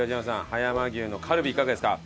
葉山牛のカルビいかがですか？